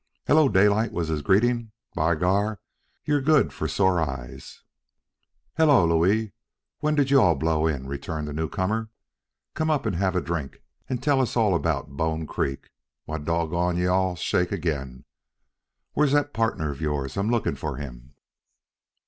"Hello, Daylight!" was his greeting. "By Gar, you good for sore eyes!" "Hello, Louis, when did you all blow in?" returned the newcomer. "Come up and have a drink and tell us all about Bone Creek. Why, dog gone you all, shake again. Where's that pardner of yours? I'm looking for him."